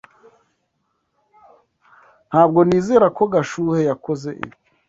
Ntabwo nizera ko Gashuhe yakoze ibi.